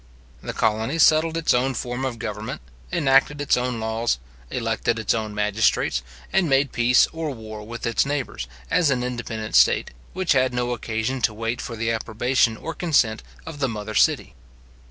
The colony settled its own form of government, enacted its own laws, elected its own magistrates, and made peace or war with its neighbours, as an independent state, which had no occasion to wait for the approbation or consent of the mother city.